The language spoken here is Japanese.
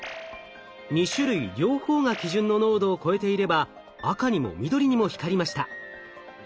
２種類両方が基準の濃度を超えていれば赤にも緑にも光りました。